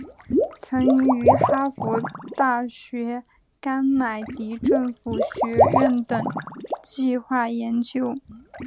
曾于哈佛大学甘乃迪政府学院等计画研究。